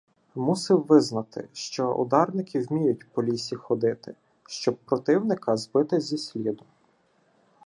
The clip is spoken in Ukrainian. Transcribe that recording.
Мусив визнати, що ударники вміють по лісі ходити, щоб противника збити зі сліду.